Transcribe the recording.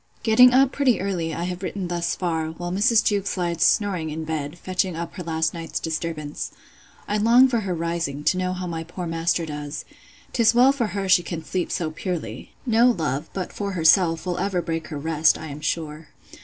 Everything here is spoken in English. Getting up pretty early, I have written thus far, while Mrs. Jewkes lies snoring in bed, fetching up her last night's disturbance. I long for her rising, to know how my poor master does. 'Tis well for her she can sleep so purely. No love, but for herself, will ever break her rest, I am sure.